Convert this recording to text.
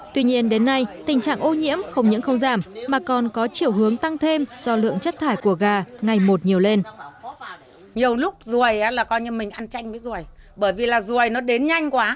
tuy nhiên đến nay tình trạng ô nhiễm không những không giảm mà còn có chiều hướng tăng thêm do lượng chất thải của gà ngày một nhiều lên